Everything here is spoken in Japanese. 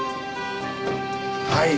はい。